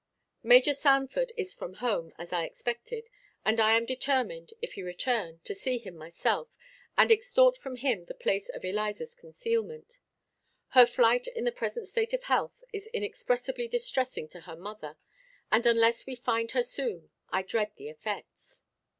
Major Sanford is from home, as I expected; and I am determined, if he return, to see him myself, and extort from him the place of Eliza's concealment. Her flight in her present state of health is inexpressibly distressing to her mother; and unless we find her soon, I dread the effects.